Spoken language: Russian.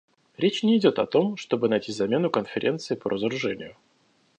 Речь не идет о том, чтобы найти замену Конференции по разоружению.